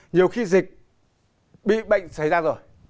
nhiều khi dịch bị bệnh xảy ra rồi